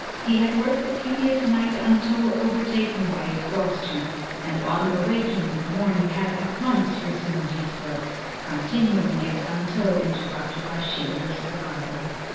He had worked the previous night until overtaken by exhaustion and on awaking in the morning had at once resumed his work, continuing it until interrupted by Schindler's arrival.